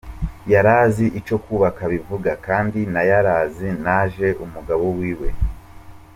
Yarazi ico kwubaka bivuga kandi na yarazi na jewe umugabo wiwe.